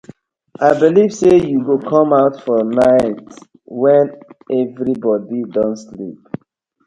I belive say yu go com out for night wen everibodi don sleep.